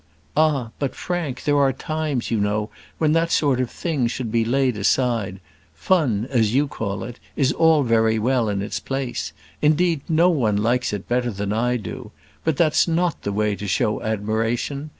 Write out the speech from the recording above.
"Ah! but Frank, there are times, you know, when that sort of thing should be laid aside. Fun, as you call it, is all very well in its place. Indeed, no one likes it better than I do. But that's not the way to show admiration.